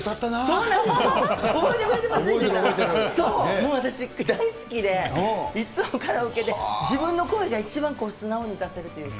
もう私、大好きで、いつもカラオケで、自分の声が一番素直に出せるというか。